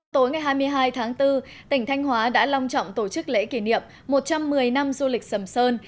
tối ngày hai mươi hai tháng bốn tỉnh thanh hóa đã long trọng tổ chức lễ kỷ niệm một trăm một mươi năm du lịch sầm sơn